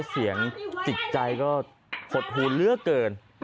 แค่เสียงจิกใจก็หดหูเลือกเกิน